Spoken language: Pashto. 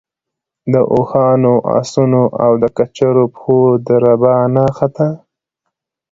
د اوښانو، آسونو او د کچرو د پښو دربا نه خته.